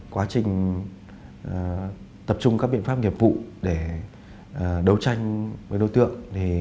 quá trình tập trung các biện pháp nghiệp vụ để đấu tranh với đối tượng